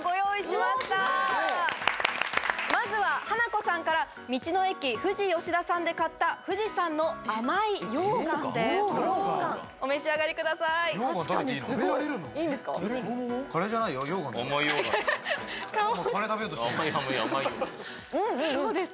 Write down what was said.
まずはハナコさんから道の駅・富士吉田さんで買った富士山の甘い溶岩です。